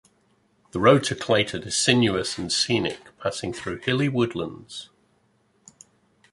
The road to Clayton is sinuous and scenic, passing through hilly woodlands.